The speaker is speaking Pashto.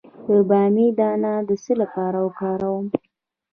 د بامیې دانه د څه لپاره وکاروم؟